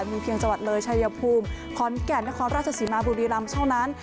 มีเพียงจังหวัดเลยชายภูมิขอนแก่นนครราชสีมาบุรีรำเท่านั้น